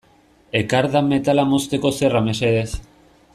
Ekardan metala mozteko zerra mesedez.